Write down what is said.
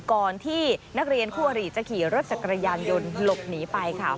ก่อนที่นักเรียนคู่อริจะขี่รถจักรยานยนต์หลบหนีไปค่ะ